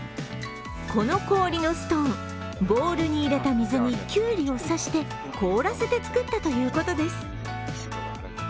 この氷のストーン、ボウルに入れた水にきゅうりを差して凍らせて作ったということです。